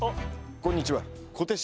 こんにちは。